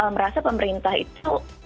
merasa pemerintah itu